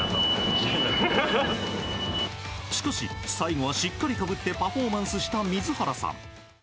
しかし、最後はしっかりかぶってパフォーマンスした水原さん。